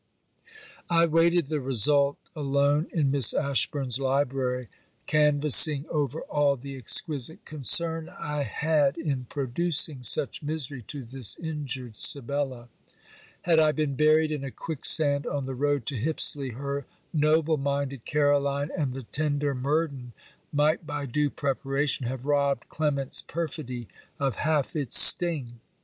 I waited the result alone in Miss Ashburn's library, canvassing over all the exquisite concern I had in producing such misery to this injured Sibella. Had I been buried in a quick sand on the road to Hipsley, her noble minded Caroline and the tender Murden might by due preparation have robbed Clement's perfidy of half its sting.